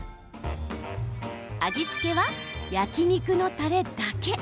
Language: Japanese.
味付けは、焼き肉のたれだけ。